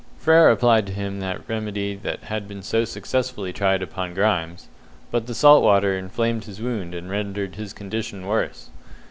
Frere applied to him the remedy that had been so successfully tried upon Grimes, but the salt water inflamed his wound and rendered his condition worse.